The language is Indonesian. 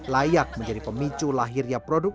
layak menjadi pemicu lahirnya produk